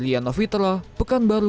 rian novitra pekanbaru riau